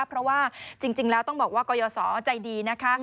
เพราะว่าจริงแล้วต้องบอกว่ากรยศใจดีนะคะ